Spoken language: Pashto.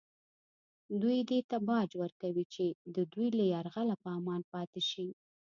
دوی دې ته باج ورکوي چې د دوی له یرغله په امان پاتې شي